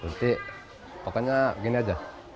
berarti pokoknya begini aja